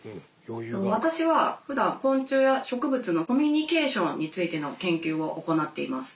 私はふだん昆虫や植物のコミュニケーションについての研究を行っています。